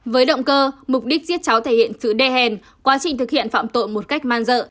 với động cơ mục đích giết cháu thể hiện sự đe hèn quá trình thực hiện phạm tội một cách man dợ